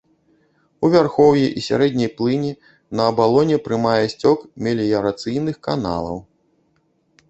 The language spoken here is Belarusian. У вярхоўі і сярэдняй плыні на абалоне прымае сцёк меліярацыйных каналаў.